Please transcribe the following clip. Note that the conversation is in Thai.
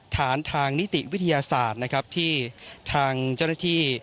ทางนิติวิทยาศาสตร์นะครับที่ทางเจ้าหน้าที่